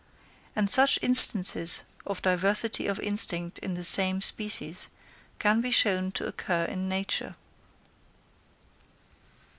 And such instances of diversity of instinct in the same species can be shown to occur in nature.